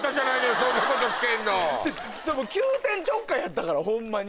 急転直下やったからホンマに。